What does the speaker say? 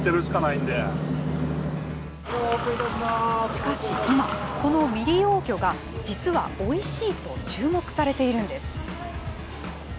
しかし今、この未利用魚が実はおいしいと注目されているんです。